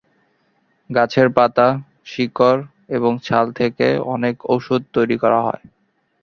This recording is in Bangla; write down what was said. গাছের পাতা, শিকড় এবং ছাল থেকে অনেক ওষুধ তৈরি করা হয়।